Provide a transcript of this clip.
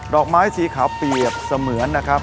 อกไม้สีขาวเปรียบเสมือนนะครับ